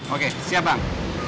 oke siap bang